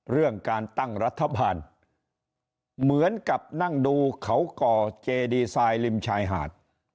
เรื่องการตั้งรัฐบาลเหมือนกับนั่งดูเขาก่อเจดีไซน์ริมชายหาด